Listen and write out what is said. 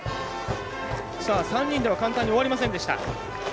３人で簡単に終わりませんでした。